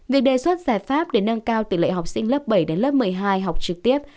việc đề xuất giải pháp để nâng cao tỷ lệ học sinh lớp bảy đến lớp một mươi hai học trực tiếp